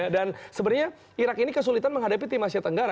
dan sebenarnya irak ini kesulitan menghadapi tim asia tenggara